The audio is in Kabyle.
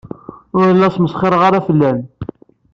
Ur la smesxireɣ ara fell-am.